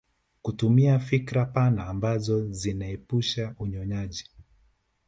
Kutumia fikra pana ambazo zinaepusha unyonyaji